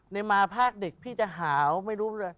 ในมาภาคเด็กพี่จะหาวไม่รู้เลย